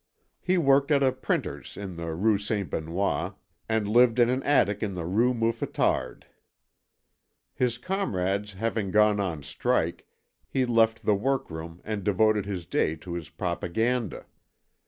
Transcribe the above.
He worked at a printer's in the Rue St. Benoît, and lived in an attic in the Rue Mouffetard. His comrades having gone on strike, he left the workroom and devoted his day to his propaganda.